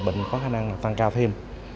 bệnh có khả năng tăng cao thêm